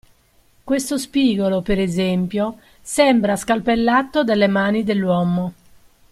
Questo spigolo, per esempio, sembra scalpellato dalle mani dell'uomo!